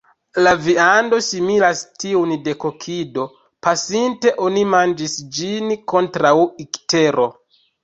La viando similas tiun de kokido; pasinte oni manĝis ĝin kontraŭ iktero.